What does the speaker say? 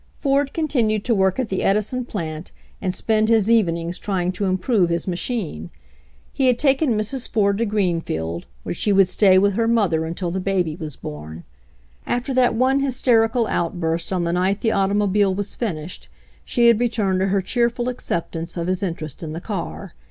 Ford continued to work at the Edison plant and spend his evenings trying to improve his ma 96 HENRY FORD'S OWN STORY chine. He had taken Mrs. Ford to Greenfield, where she would stay with her mother until the baby was born. After that one hysterical out burst on the night the automobile was finished, she had returned to her cheerful acceptance of his interest in the car.